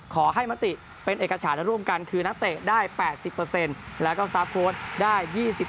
มติเป็นเอกฉาและร่วมกันคือนักเตะได้๘๐แล้วก็สตาร์ฟโค้ดได้๒๐